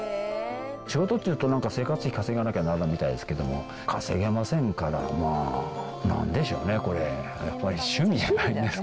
仕事っていうと、なんか生活費稼がなきゃならんみたいですけど、稼げませんから、まあ、なんでしょうね、これ。